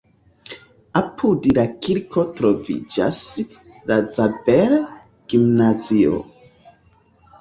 Apud la kirko troviĝas la Zabel-gimnazio.